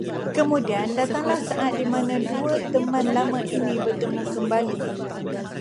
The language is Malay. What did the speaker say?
Kemudian datanglah saat dimana dua teman lama ini bertemu kembali